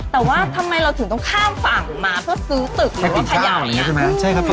แต่ทำไมเราต้องข้ามฝั่งมามาซื้อตึกอยู่ระบขยาย